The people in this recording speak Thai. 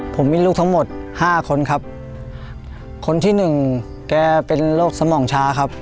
ผมมีลูกทั้งหมดห้าคนครับคนที่หนึ่งแกเป็นโรคสมองช้าครับ